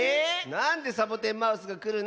なんでサボテンマウスがくるの！